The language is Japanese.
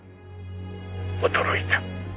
「驚いた」